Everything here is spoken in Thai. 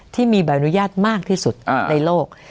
ที่มีใบอนุญาตมากที่สุดในโลก